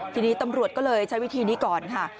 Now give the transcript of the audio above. ทีนี้ตำรวจก็เลยใช้วิธีนี้ก่อนค่ะ